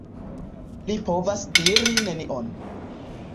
Li povas diri nenion.